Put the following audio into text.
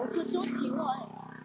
chưa chút chíu rồi